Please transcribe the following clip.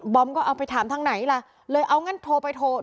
อมก็เอาไปถามทางไหนล่ะเลยเอางั้นโทรไปโทร